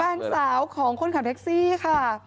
แฟนสาวของคนขับแท็กซี่ค่ะ